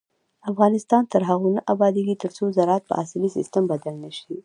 افغانستان تر هغو نه ابادیږي، ترڅو زراعت په عصري سیستم بدل نشي.